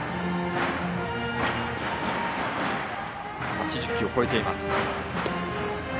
８０球を超えています。